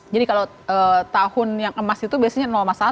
jadi kalau tahun yang emas itu biasanya satu